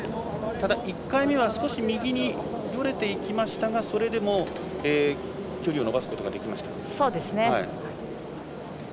ただ、１回目は少し右によれていきましたがそれでも距離を伸ばすことができました。